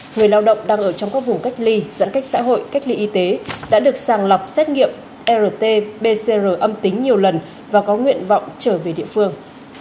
người lao động đang ở trong các vùng cách ly giãn cách xã hội cách ly y tế đã được sàng lọc xét nghiệm rt pcr âm tính nhiều lần và có nguyện vọng trở về địa phương